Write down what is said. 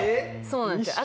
そうなんですよ。